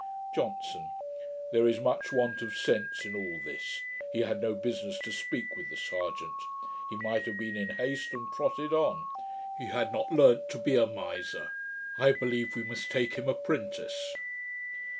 JOHNSON. 'There is much want of sense in all this. He had no business to speak with the serjeant. He might have been in haste, and trotted on. He had not learnt to be a miser: I believe we must take him apprentice.'